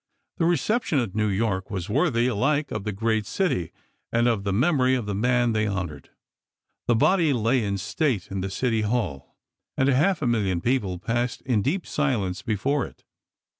The reception at New York was worthy chap. xvi. alike of the great city and of the memory of the man they honored. The body lay in state in the City Hall and a half million of people passed in deep silence before it.